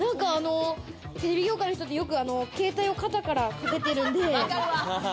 テレビ業界の人って携帯を肩からかけてるんで。